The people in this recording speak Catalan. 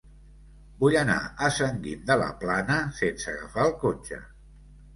Vull anar a Sant Guim de la Plana sense agafar el cotxe.